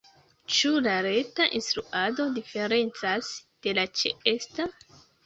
Ĉu la reta instruado diferencas de la ĉeesta?